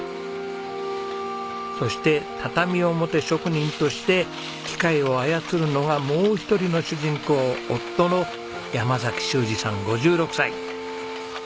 そして畳表職人として機械を操るのがもう一人の主人公夫の山修二さん５６歳。